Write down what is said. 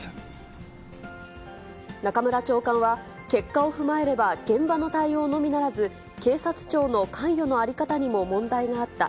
中村長官は、結果を踏まえれば、現場の対応のみならず、警察庁の関与の在り方にも問題があった。